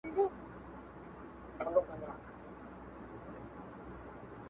دفلسـفې اســـــتاد يــې وټـــــــاكـــلـــــم.